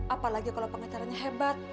apalagi kalau pengacaranya hebat